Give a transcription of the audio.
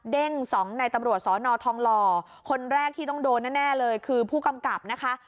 สองในตำรวจสอนอทองหล่อคนแรกที่ต้องโดนแน่เลยคือผู้กำกับนะคะ